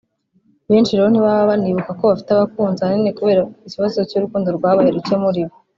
Benshi rero ntibaba banibuka ko bafite abakunzi ahanini kubera ikibazo cy’urukundo rwabaye ruke muri bo